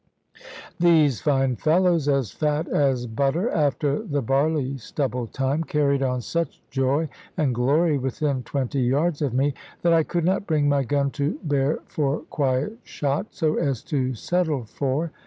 These fine fellows, as fat as butter after the barley stubble time, carried on such joy and glory within twenty yards of me that I could not bring my gun to bear for quiet shot, so as to settle four.